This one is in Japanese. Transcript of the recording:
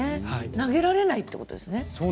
投げられないということですね。